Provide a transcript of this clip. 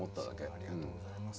ありがとうございます。